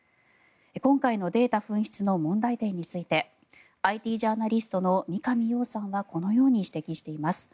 今回のデータ紛失の問題点についてＩＴジャーナリストの三上洋さんはこのように指摘しています。